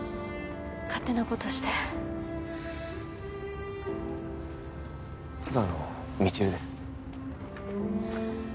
勝手なことして妻の未知留です